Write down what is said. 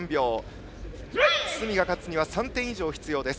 角が勝つには３点以上が必要です。